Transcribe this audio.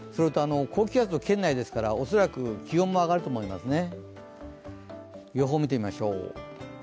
高気圧が圏内ですから恐らく気温も上がると思いますね。